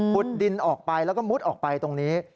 ดินออกไปแล้วก็มุดออกไปตรงนี้